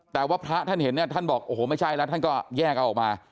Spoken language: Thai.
แต่ว่าพระท่านเห็นเนี่ยท่านบอกโอ้โหไม่ใช่แล้วท่านก็แยกเอาออกมา